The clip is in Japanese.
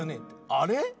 あれ？